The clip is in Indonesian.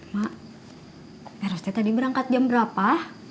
mak air hoste tadi berangkat jam berapa